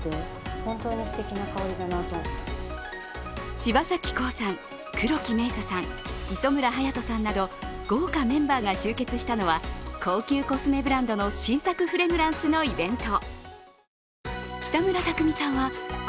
柴咲コウさん、黒木メイサさん、磯村勇斗さんなど豪華メンバーが集結したのは高級コスメブランドの新作フレグランスのイベント。